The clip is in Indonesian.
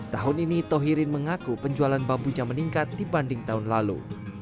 tahun ini tohirin mengaku penjualan bambunya meningkat dibanding tahun lalu